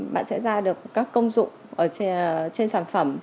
bạn sẽ ra được các công dụng trên sản phẩm